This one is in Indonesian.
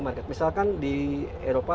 market misalkan di eropa